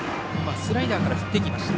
スライダーから振ってきました。